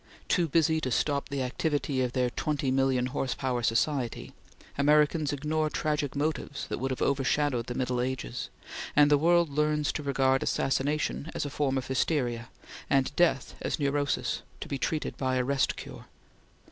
Too busy to stop the activity of their twenty million horse power society, Americans ignore tragic motives that would have overshadowed the Middle Ages; and the world learns to regard assassination as a form of hysteria, and death as neurosis, to be treated by a rest cure.